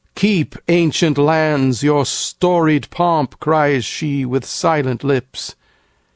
"Keep, ancient lands, your storied pomp!" cries sheWith silent lips.